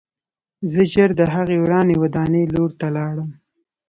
زه ژر د هغې ورانې ودانۍ لور ته لاړم